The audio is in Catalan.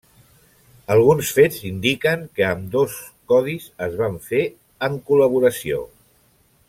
Alguns fets indiquen que ambdós codis es van fer en col·laboració.